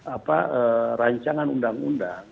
apa rancangan undang undang